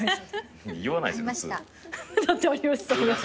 言わないですよ普通。